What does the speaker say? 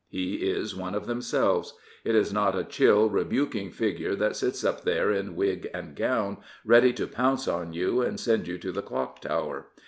He is one of themselves. It is not a chill, rebuking figure that sits up there in wig and gown, ready to pounce on you and send you to the Clock Tower.